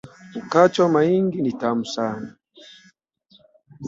Nkache wa maingi ni tamu sana.